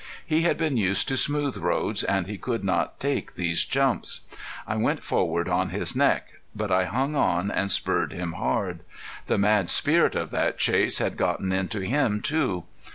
He had been used to smooth roads and he could not take these jumps. I went forward on his neck. But I hung on and spurred him hard. The mad spirit of that chase had gotten into him too.